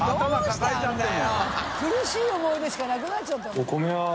苦しい思い出しかなくなっちゃったもん。